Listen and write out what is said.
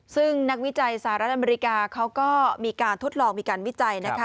ซึ่งนักวิจัยสหรัฐอเมริกาเขาก็มีการทดลองมีการวิจัยนะคะ